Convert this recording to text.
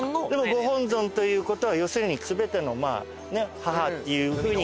ご本尊ということは要するに全ての母っていうふうに考える。